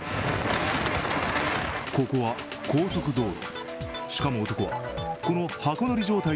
ここは高速道路。